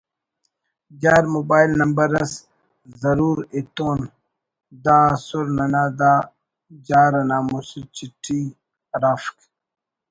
جار mobile number اس ضرور ایتون…… دا ئسر ننا دا جار نا مسہ چٹھی ہرافک